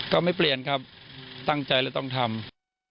ก็ไม่เปลี่ยนครับตั้งใจแล้วต้องทำ